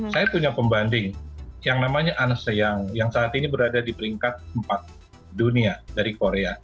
saya punya pembanding yang namanya ance yang saat ini berada di peringkat empat dunia dari korea